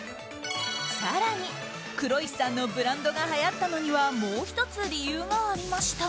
更に、黒石さんのブランドがはやったのにはもう１つ理由がありました。